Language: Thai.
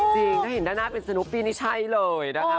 จริงถ้าเห็นหน้าเป็นสนูปปี้นี่ใช่เลยนะคะ